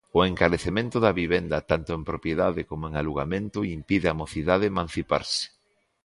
O encarecemento da vivenda, tanto en propiedade como en alugamento, impide á mocidade emanciparse.